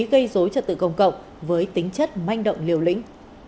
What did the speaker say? gây dối trật tự công cộng với tính chất manh động liều lĩnh